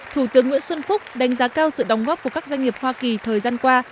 thủ tướng nguyễn xuân phúc đánh giá cao sự đóng góp của các doanh nghiệp hoa kỳ thời gian qua